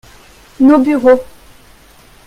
nos bureaux.